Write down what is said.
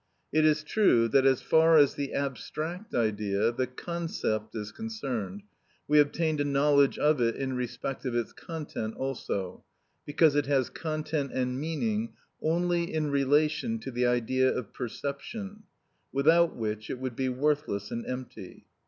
It is true that as far as the abstract idea, the concept, is concerned, we obtained a knowledge of it in respect of its content also, because it has content and meaning only in relation to the idea of perception, without which it would be worthless and empty.